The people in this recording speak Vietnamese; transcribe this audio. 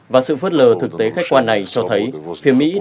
và sự phớt lờ thực tế khách quan này cho thấy phía mỹ